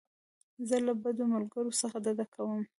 زه له بدو ملګرو څخه ډډه کوم.